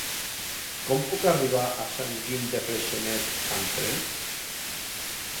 Com puc arribar a Sant Guim de Freixenet amb tren?